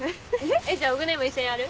じゃあオグねぇも一緒にやる？